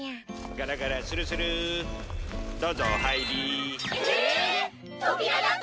ガラガラスルスルーどうぞお入り。えっ！？